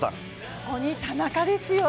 そこに田中ですよ。